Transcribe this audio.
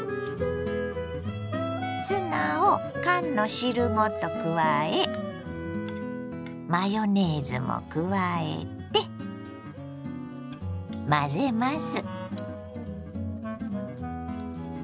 ツナを缶の汁ごと加えマヨネーズも加えて混ぜます。